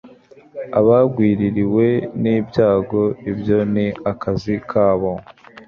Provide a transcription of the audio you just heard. abagwiririwe n'ibyago, ibyo ni akazi kabo